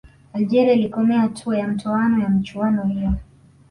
algeria ilikomea hatua ya mtoano ya michuano hiyo